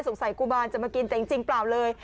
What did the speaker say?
สงสัยกูมานจะมากินแต่จริงเปล่าเลย